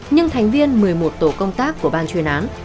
nhưng thành viên một mươi một tổ công tác của ban chuyên án